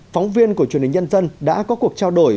phóng viên của truyền hình nhân dân đã có cuộc trao đổi